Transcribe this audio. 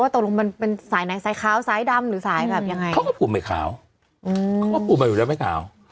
ต่อลงมันเป็นสายไหนสายขาดใฟ่ด้ำหรือสายแบบยังไงเขาก็ปูนไปขาวใฟ่ด้ำไปขาว